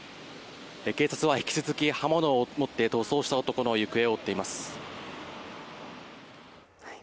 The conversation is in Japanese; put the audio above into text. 警察は引き続き刃物を持って逃走した男の行方を追っています。